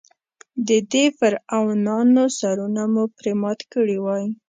د دې فرعونانو سرونه مو پرې مات کړي وای.